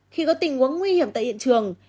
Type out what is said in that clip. khi có tình huống nguy hiểm tại hiện trường